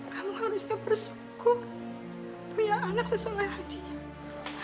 kamu harusnya bersyukur punya anak sesuai hadiah